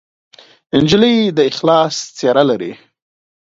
نجلۍ د اخلاص څېره لري.